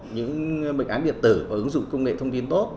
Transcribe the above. những bệnh án điện tử và ứng dụng công nghệ thông tin tốt